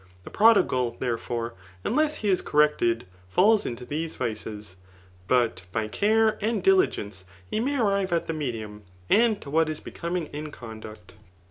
The prodigal, thereforeir nakss he is corrected, j&dls into these vices ; but by care mA diligence, he may arrive at the medium, and to what b becoming in conduct.